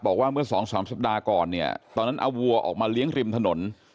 บอกว่าเมื่อสองสามสัปดาห์ก่อนเนี่ยตอนนั้นเอาวัวออกมาเลี้ยงริมถนน